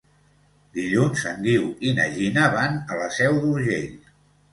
Dilluns en Guiu i na Gina van a la Seu d'Urgell.